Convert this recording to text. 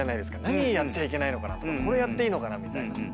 何やっちゃいけないのかなとかこれやっていいのかなみたいな。